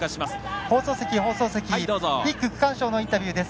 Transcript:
１区、区間賞のインタビューです。